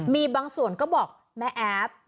มีบางส่วนก็บอกแม่แอฟ